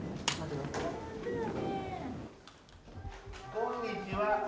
こんにちは。